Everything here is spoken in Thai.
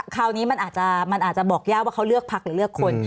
คราวนี้มันอาจจะบอกยากว่าเขาเลือกพักหรือเลือกคน